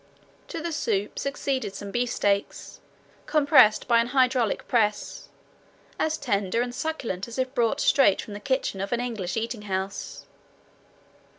To the soup succeeded some beefsteaks, compressed by an hydraulic press, as tender and succulent as if brought straight from the kitchen of an English eating house.